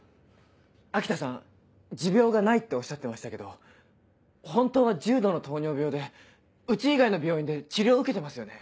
秋田さん持病がないっておっしゃってましたけど本当は重度の糖尿病でうち以外の病院で治療受けてますよね？